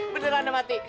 beneran udah mati